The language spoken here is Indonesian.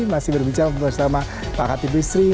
masih berbicara bersama pak hati bisri